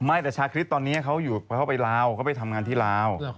ไม่แต่ชาวคลิปตอนนี้เขาไปทำงานที่ลาว